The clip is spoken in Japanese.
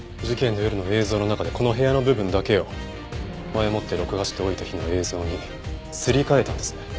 事件の夜の映像の中でこの部屋の部分だけを前もって録画しておいた日の映像にすり替えたんですね。